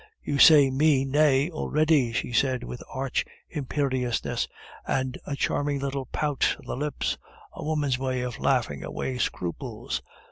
you say me nay already," she said with arch imperiousness, and a charming little pout of the lips, a woman's way of laughing away scruples.